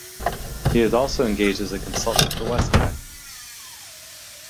He is also engaged as a consultant for Westpac.